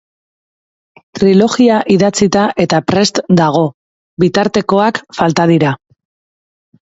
Trilogia idatzita eta prest dago, bitartekoak falta dira.